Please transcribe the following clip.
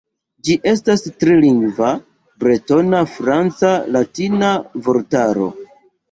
Ĝi estas tri-lingva, bretona-franca-latina vortaro.